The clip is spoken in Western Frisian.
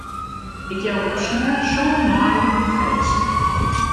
Ik jou op sneon sân maaie in feest.